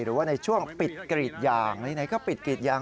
หรือว่าในช่วงปิดกรีดยางไหนก็ปิดกรีดยาง